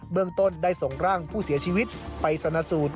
เมืองต้นได้ส่งร่างผู้เสียชีวิตไปชนะสูตร